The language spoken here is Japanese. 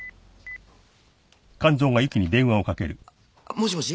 もしもし。